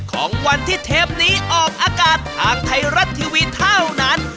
ของวันที่เทปนี้ออกอากาศทางไทยรัฐทีวีเท่านั้น